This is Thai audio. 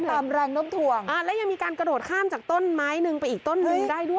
ตามแรงนกถวงและยังมีการกระโดดข้ามจากต้นไม้หนึ่งไปอีกต้นหนึ่งได้ด้วย